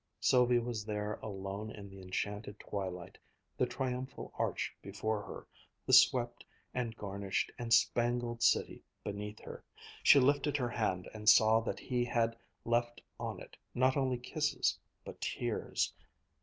Sylvia was there alone in the enchanted twilight, the Triumphal Arch before her, the swept and garnished and spangled city beneath her. She lifted her hand and saw that he had left on it not only kisses but tears.